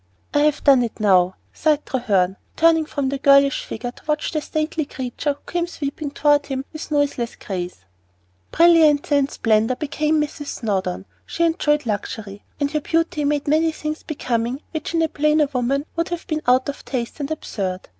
"I have done it now," sighed Treherne, turning from the girlish figure to watch the stately creature who came sweeping toward him with noiseless grace. Brilliancy and splendor became Mrs. Snowdon; she enjoyed luxury, and her beauty made many things becoming which in a plainer woman would have been out of taste, and absurd.